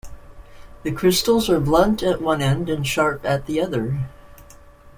The crystals are blunt at one end and sharp at the other.